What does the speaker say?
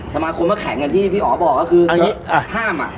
สำหรับคนมาแข่งกันที่พี่อ๋อบอกก็คือห้ามอ่ะ